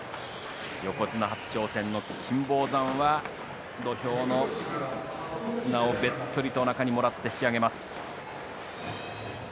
横綱初挑戦の金峰山は土俵の砂をべっとりとおなかにもらって引き揚げます。